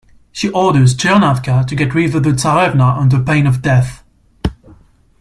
She orders Chernavka to get rid of the tsarevna under pain of death.